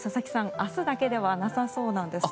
明日だけではなさそうなんです。